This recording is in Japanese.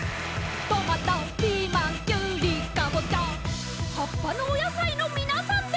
「トマトピーマンキュウリカボチャ」「はっぱのおやさいのみなさんです」